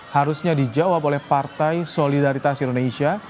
harusnya dijawab oleh partai solidaritas indonesia